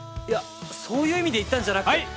いやそういう意味で言ったんじゃなくて。